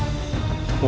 jatuh tak ambil